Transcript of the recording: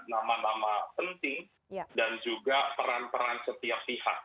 nama nama penting dan juga peran peran setiap pihak